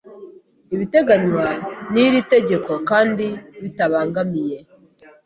ibiteganywa n iri tegeko kandi bitabangamiye